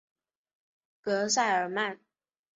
戈塞尔曼。